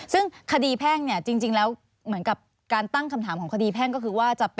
ซึ่งคดีแพ่งเนี่ยจริงแล้วเหมือนกับการตั้งคำถามของคดีแพ่งก็คือว่าจะเป็น